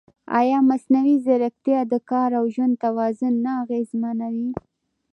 ایا مصنوعي ځیرکتیا د کار او ژوند توازن نه اغېزمنوي؟